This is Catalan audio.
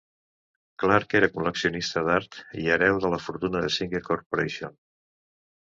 Clark era col·leccionista d'art i hereu de la fortuna de Singer Corporation.